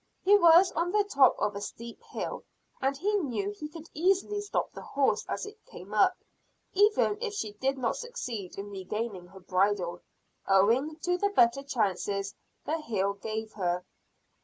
He was on the top of a steep hill, and he knew he could easily stop the horse as it came up; even if she did not succeed in regaining her bridle, owing to the better chances the hill gave her.